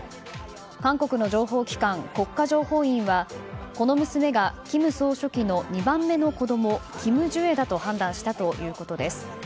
韓国の情報機関、国家情報院はこの娘が金総書記の２番目の子供キム・ジュエだと判断したということです。